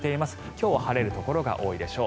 今日は晴れるところが多いでしょう。